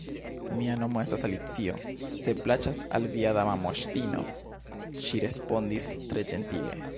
"Mia nomo estas Alicio, se plaĉas al via Dama Moŝtino," ŝi respondis tre ĝentile.